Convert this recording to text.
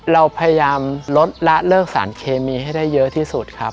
เราพยายามลดละเลิกสารเคมีให้ได้เยอะที่สุดครับ